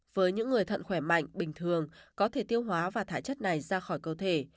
với những người thân khỏe mạnh bình thường có thể tiêu hóa và thải chất này ra khỏi cơ thể